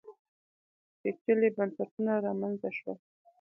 پېچلي بنسټونه رامنځته شول